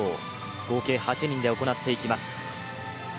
合計８人で行っていきます。